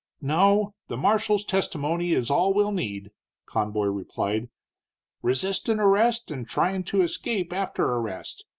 "No, the marshal's testimony is all we'll need," Conboy replied. "Resistin' arrest and tryin' to escape after arrest.